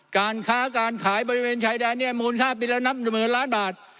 การค้าการขายบริเวณชายแดนเนี่ยมูลค่าปีละนับหมื่นล้านบาท